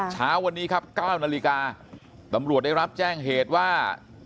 เช้าวันนี้ครับ๙นาฬิกาตำรวจได้รับแจ้งเหตุว่า